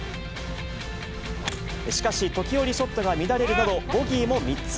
しかし、時折ショットが乱れるなど、ボギーも３つ。